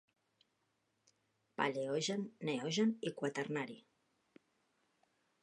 Paleogen, Neogen i Quaternari.